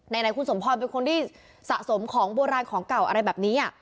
ไหนคุณสมพรเป็นคนที่สะสมของโบราณของเก่าอะไรแบบนี้